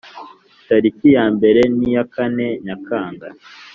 tariki yambere n iya kane Nyakanga